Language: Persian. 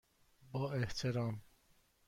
با احترام،